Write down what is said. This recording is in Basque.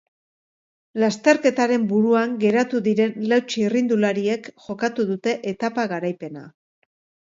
Lasterketaren buruan geratu diren lau txirrindulariek jokatu dute etapa garaipena.